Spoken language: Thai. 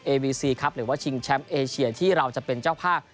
เอวีซีครับหรือว่าชิงแชมป์เอเชียที่เราจะเป็นเจ้าภาพ